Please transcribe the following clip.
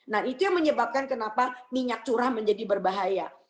nah itu yang menyebabkan kenapa minyak curah menjadi berbahaya